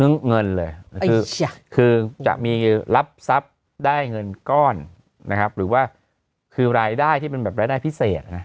เงินเลยคือจะมีรับทรัพย์ได้เงินก้อนนะครับหรือว่าคือรายได้ที่มันแบบรายได้พิเศษ